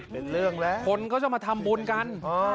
เป็นเรื่องแล้วคนเขาจะมาทำบุญกัน